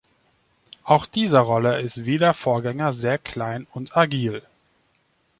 Auch dieser Roller ist wie der Vorgänger sehr klein und agil.